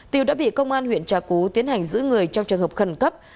tiểu đã bị công an huyện trà cú tiến hành giữ người trong trường hợp khẩn cấp